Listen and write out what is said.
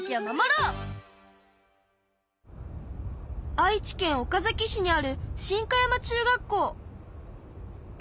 愛知県岡崎市にある新香山中学校。